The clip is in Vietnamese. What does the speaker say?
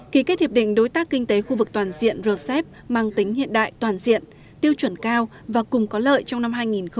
ký kết hiệp định đối tác kinh tế khu vực toàn diện rcep mang tính hiện đại toàn diện tiêu chuẩn cao và cùng có lợi trong năm hai nghìn hai mươi